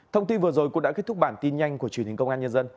thông tin vừa rồi cũng đã kết thúc bản tin nhanh của truyền hình công an nhân dân